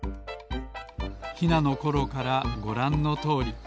ヒナのころからごらんのとおり。